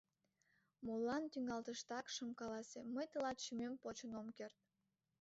Молан тӱҥалтыштак шым каласе: «Мый тылат шӱмем почын ом керт.